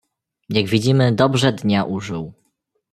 "Jak widzimy dobrze dnia użył."